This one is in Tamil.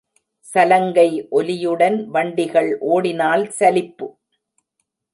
சலங்கை ஒலியுடன் வண்டிகள் ஓடினால் சலிப்பு.